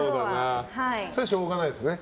それはしょうがないですね。